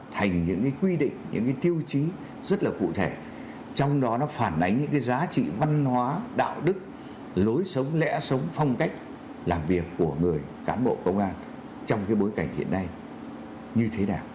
thành những quy định những cái tiêu chí rất là cụ thể trong đó nó phản ánh những cái giá trị văn hóa đạo đức lối sống lẽ sống phong cách làm việc của người cán bộ công an trong cái bối cảnh hiện nay như thế nào